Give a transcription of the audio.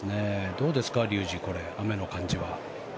どうですか、竜二雨の感じは。